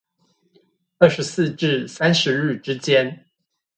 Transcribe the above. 二十四至三十日之間